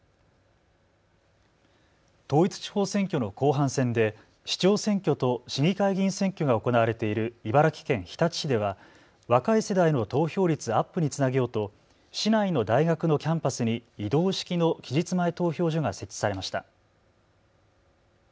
統一地方選挙の後半戦で市長選挙と市議会議員選挙が行われている茨城県日立市では若い世代の投票率アップにつなげようと市内の大学のキャンパスに移動式の期日前投票所が設置されました。